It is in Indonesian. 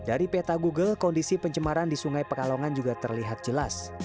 dari peta google kondisi pencemaran di sungai pekalongan juga terlihat jelas